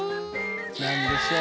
なんでしょう？